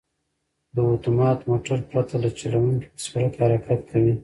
دا اتومات موټر پرته له چلوونکي په سړک حرکت کوي.